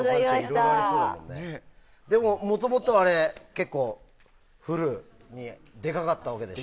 でも、もともとはあれ結構フルにでかかったわけでしょ。